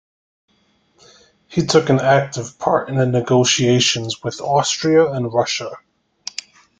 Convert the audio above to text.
He took an active part in the negotiations with Austria and Russia.